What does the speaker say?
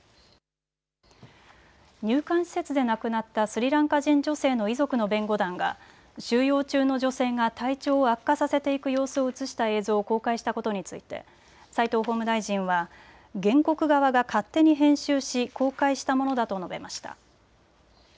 入管施設で亡くなったスリランカ人女性の遺族の弁護団が収容中の女性が体調を悪化させていく様子を写した映像を公開したことについて齋藤法務大臣は原告側が勝手に編集し公開したものだと述べました。